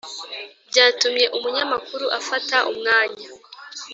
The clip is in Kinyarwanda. byatumye umunyamakuru afata umwanya